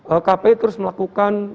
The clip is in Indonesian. lkpi terus melakukan